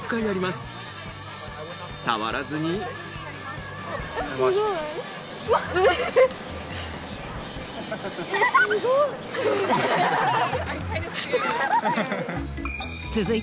すごい！